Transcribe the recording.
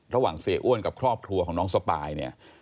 เสียอ้วนกับครอบครัวของน้องสปายเนี่ย